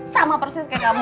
sama persis kayak kamu